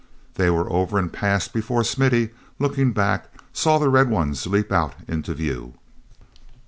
They were over and past before Smithy, looking back, saw the red ones leap out into view.